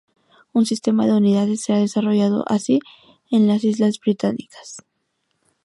Un sistema de unidades se ha desarrollado así en las islas británicas.